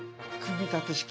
組み立て式？